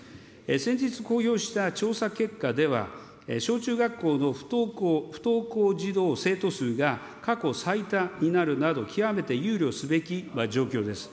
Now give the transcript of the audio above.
先日公表した調査結果では、小中学校の不登校児童・生徒数が過去最多になるなど、極めて憂慮すべき状況です。